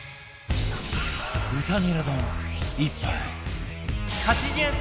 豚ニラ丼１杯